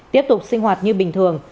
tiếp tục sinh hoạt như bình thường